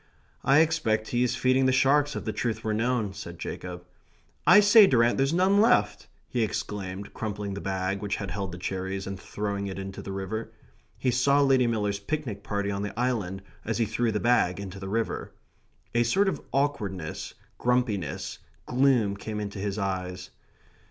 "I expect he's feeding the sharks, if the truth were known," said Jacob. "I say, Durrant, there's none left!" he exclaimed, crumpling the bag which had held the cherries, and throwing it into the river. He saw Lady Miller's picnic party on the island as he threw the bag into the river. A sort of awkwardness, grumpiness, gloom came into his eyes.